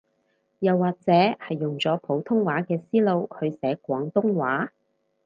又或者係用咗普通話嘅思路去寫廣東話